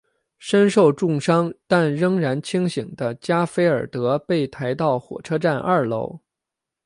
身受重伤但仍然清醒的加菲尔德被抬到火车站二楼。